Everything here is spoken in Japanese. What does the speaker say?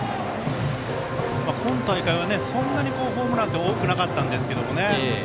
今大会はそんなにホームランって多くなかったんですけどもね。